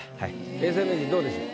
永世名人どうでしょう？